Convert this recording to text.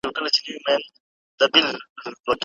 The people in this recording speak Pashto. موږ د ګرمو اوبو په څښلو بوخت یو.